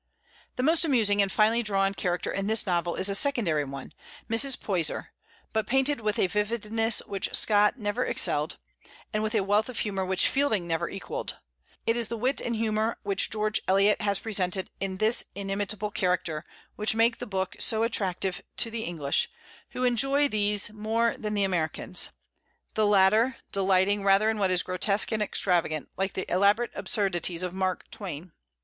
The most amusing and finely drawn character in this novel is a secondary one, Mrs. Poyser, but painted with a vividness which Scott never excelled, and with a wealth of humor which Fielding never equalled. It is the wit and humor which George Eliot has presented in this inimitable character which make the book so attractive to the English, who enjoy these more than the Americans, the latter delighting rather in what is grotesque and extravagant, like the elaborate absurdities of "Mark Twain."